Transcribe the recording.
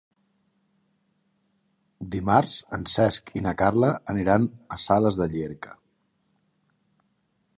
Dimarts en Cesc i na Carla aniran a Sales de Llierca.